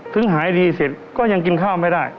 หายดีเสร็จก็ยังกินข้าวไม่ได้